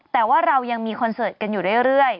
แต่ว่าเรายังมีคอนเสิร์ตกันอยู่เรื่อย